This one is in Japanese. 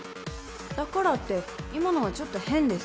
だからって今のはちょっと変です。